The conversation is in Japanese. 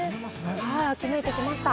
秋めいてきました。